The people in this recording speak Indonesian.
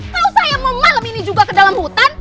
kalau saya mau malam ini juga ke dalam hutan